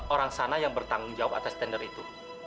orang sana yang bertanggung jawab atas tender itu